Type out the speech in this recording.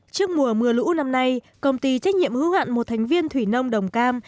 trước mùa mưa lũ năm nay công ty trách nhiệm hữu hạn một thành viên thủy nông đồng cam